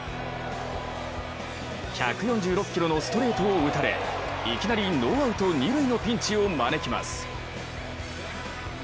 １４６キロのストレートを打たれいきなりノーアウト二塁のピンチを招きます。